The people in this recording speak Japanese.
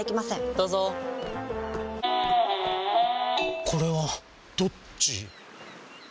どうぞこれはどっち？